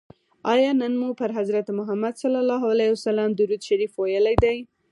آیا نن مو پر حضرت محمد صلی الله علیه وسلم درود شریف ویلي دی؟